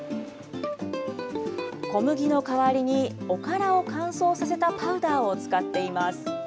小麦の代わりに、おからを乾燥させたパウダーを使っています。